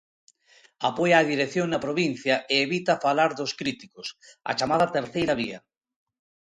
Apoia a dirección na provincia e evita falar dos críticos, a chamada terceira vía.